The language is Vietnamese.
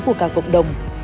của cả cộng đồng